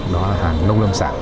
đó là hàng nông lương sản